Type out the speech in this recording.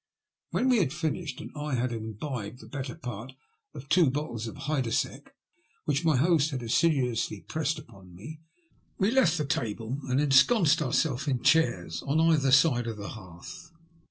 When we had finished and I had imbibed the better part of two bottles of Heidseck, which my host had assiduously pressed upon me, we left the table and ensconced ourselves in chairs on either side of the hearth.